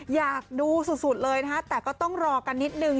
อยากดูสุดเลยนะคะแต่ก็ต้องรอกันนิดนึง